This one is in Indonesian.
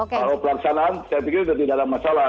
kalau pelaksanaan saya pikir sudah tidak ada masalah